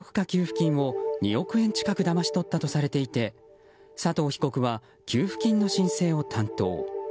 詐欺グループは持続化給付金を２億円近くだまし取ったとされていて佐藤被告は給付金の申請を担当。